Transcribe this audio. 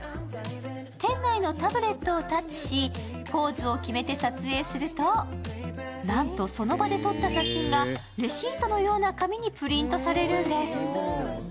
店内のタブレットをタッチしポーズを決めて撮影するとなんとその場で撮った写真がレシートのような紙にプリントされるんです。